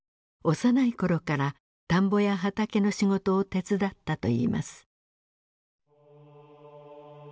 幼い頃から田んぼや畑の仕事を手伝ったといいます。